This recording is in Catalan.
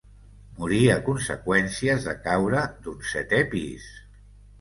Morí a conseqüències de caure d'un setè pis.